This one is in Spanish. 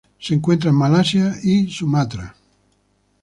Se encuentra en Malasia y Sumatra.